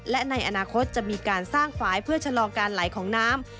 และในอนาคตจะมีการสร้างฝ่ายเพื่อชะลอการไหลของน้ำ